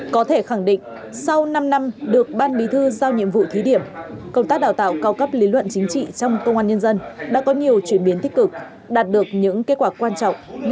có thể khẳng định sau năm năm được ban bí thư giao nhiệm vụ thí điểm công tác đào tạo cao cấp lý luận chính trị trong công an nhân dân đã có nhiều chuyển biến tích cực đạt được những kết quả quan trọng